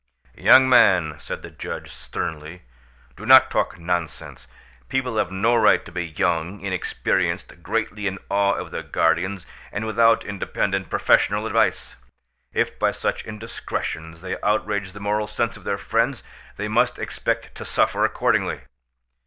"Young man," said the judge sternly, "do not talk nonsense. People have no right to be young, inexperienced, greatly in awe of their guardians, and without independent professional advice. If by such indiscretions they outrage the moral sense of their friends, they must expect to suffer accordingly."